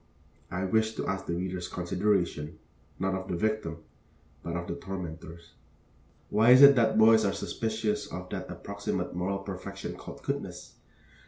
I wish to ask the reader's consideration, not of the victim, but of the tormentors. Why is it that boys are suspicious of that approximate moral perfection called goodness?